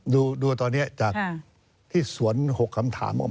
ดูตอนนี้จากที่สวน๖คำถามออกมา